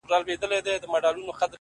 د نورو د ستم په گيلاسونو کي ورک نه يم!!